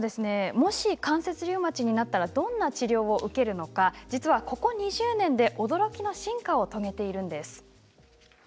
もし関節リウマチになったらどんな治療を受けるのか実はここ２０年で驚きの進化を遂げているんです。